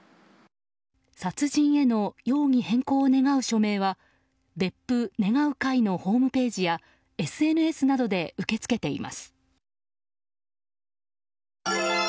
殺人への容疑変更を願う署名は別府願う会のホームページやＳＮＳなどで受け付けています。